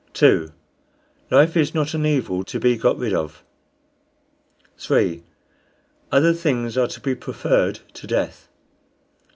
2. Life is not an evil to be got rid of. 3. Other things are to be preferred to death.